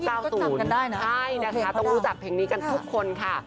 ใช่นะคะต้องรู้จักเพลงนี้กันทุกคนค่ะ